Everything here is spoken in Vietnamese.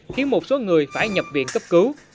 khiến một số người phải nhập viện cấp cứu